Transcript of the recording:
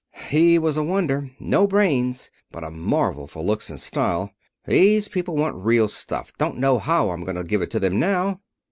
He was a wonder. No brains, but a marvel for looks and style. These people want real stuff. Don't know how I'm going to give it to them now."